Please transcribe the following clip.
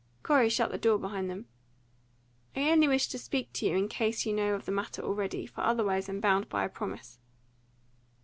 Corey shut the door behind them. "I only wish to speak to you in case you know of the matter already; for otherwise I'm bound by a promise."